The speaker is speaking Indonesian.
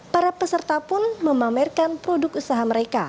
para peserta pun memamerkan produk usaha mereka